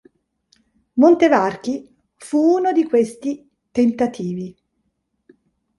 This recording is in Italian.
Montevarchi fu uno di questi tentativi.